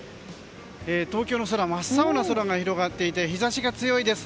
東京の空は真っ青な空が広がっていて日差しが強いです。